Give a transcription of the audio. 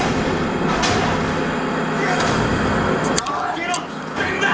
開けろっつってんだ！